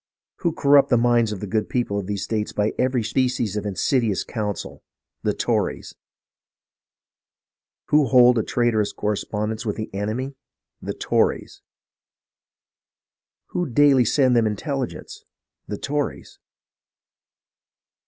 Who corrupt the minds of the good people of these States by every species of insidious counsel ? The Tories ! Who hold a traitorous corre spondence with the enemy ? The Tories ! Who daily send them intelligence ? The Tories